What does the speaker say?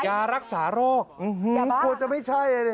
ยารักษาโรคโคตรจะไม่ใช่